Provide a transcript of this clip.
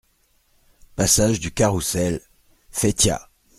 Passage du Caroussel, Feytiat